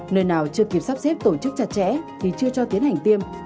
nơi nào chưa kịp sắp xếp tổ chức chặt chẽ thì chưa cho tiến hành tiêm